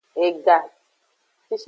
Ega.